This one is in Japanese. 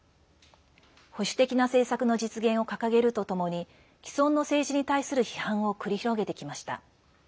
保守的な政策の実現を掲げるとともに既存の政治に対する批判を繰り広げてきました。